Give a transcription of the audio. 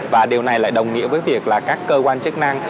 và điều này lại đồng nghĩa với việc là các cơ quan chức năng